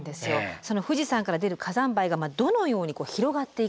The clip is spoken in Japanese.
その富士山から出る火山灰がどのように広がっていくか。